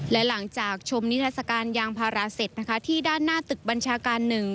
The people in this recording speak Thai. และหลังจากชมนิทัศกาลยางพาราเสร็จนะคะที่ด้านหน้าตึกบัญชาการ๑